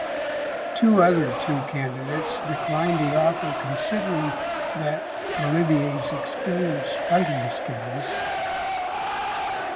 Two other two candidates declined the offer considering that Olivier's experienced fighting skills.